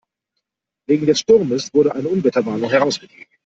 Wegen des Sturmes wurde eine Unwetterwarnung herausgegeben.